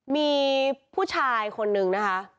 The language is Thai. มีผู้ชายคนนึงนะคะ